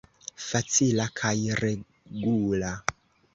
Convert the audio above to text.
Facila kaj regula.